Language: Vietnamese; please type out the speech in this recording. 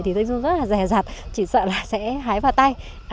thì thanh dung rất là rè rặt chỉ sợ là sẽ hái vào tay